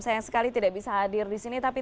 sayang sekali tidak bisa hadir di sini tapi